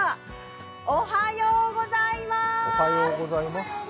おはようございまーす。